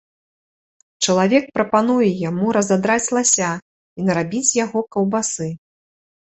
Чалавек прапануе яму разадраць лася і нарабіць з яго каўбасы.